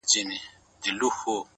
د وخت پاچا زما اته ي دي غلا كړي-